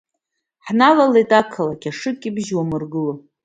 Ҳналалеит ақалақь, ашыкьбжьы уамыргыло.